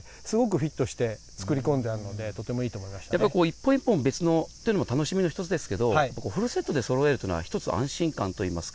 １本１本別々のというのも楽しみですけどフルセットでそろえるというのは、一つ安心感といいますか。